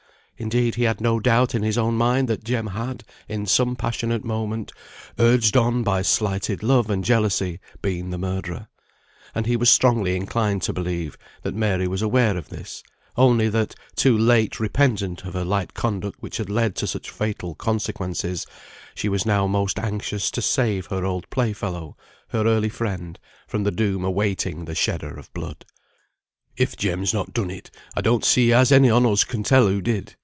Indeed, he had no doubt in his own mind that Jem had, in some passionate moment, urged on by slighted love and jealousy, been the murderer. And he was strongly inclined to believe, that Mary was aware of this, only that, too late repentant of her light conduct which had led to such fatal consequences, she was now most anxious to save her old play fellow, her early friend, from the doom awaiting the shedder of blood. "If Jem's not done it, I don't see as any on us can tell who did.